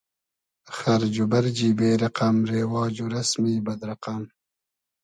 خئرج و بئرجی بې رئقئم , رېواج و رئسمی بئد رئقئم